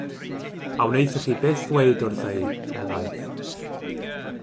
“A wnaethoch chi byth ddweud wrtha i,” meddai.